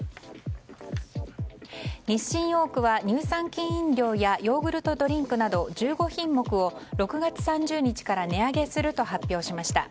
日清ヨークは乳酸菌飲料やヨーグルトドリンクなど１５品目を６月３０日から値上げすると発表しました。